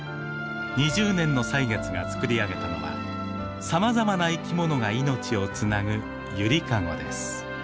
２０年の歳月がつくり上げたのはさまざまな生きものが命をつなぐ揺りかごです。